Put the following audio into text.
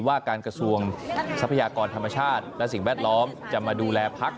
ว่าการกระทรวงทรัพยากรธรรมชาติและสิ่งแวดล้อมจะมาดูแลพัก